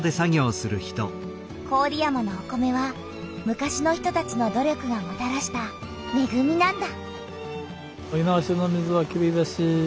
郡山のお米は昔の人たちの努力がもたらしためぐみなんだ。